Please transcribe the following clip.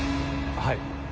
はい。